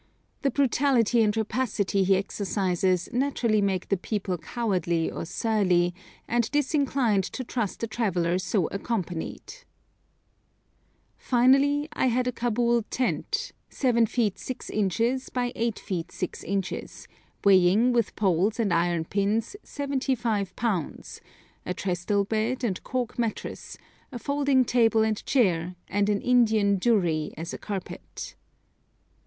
The brutality and rapacity he exercises naturally make the people cowardly or surly, and disinclined to trust a traveller so accompanied. Finally, I had a Cabul tent, 7 ft. 6 in. by 8 ft. 6 in., weighing, with poles and iron pins, 75 lbs., a trestle bed and cork mattress, a folding table and chair, and an Indian dhurrie as a carpet.